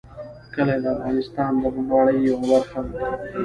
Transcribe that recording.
کلي د افغانستان د بڼوالۍ یوه برخه ده.